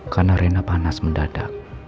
karena rena panas mendadak